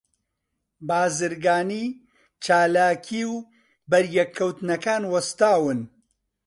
بازرگانی، چالاکی، و بەریەک کەوتنەکان وەستاون